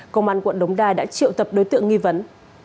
công an quận đống đa đã triệu tập đối tượng nghi vấn